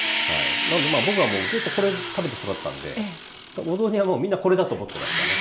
なので僕はもうずっとこれ食べて育ったんでお雑煮はもうみんなこれだと思ってましたね。